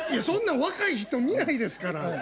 そんなん若い人見ないですから。